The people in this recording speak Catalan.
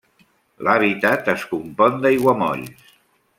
L'hàbitat es compon d'aiguamolls.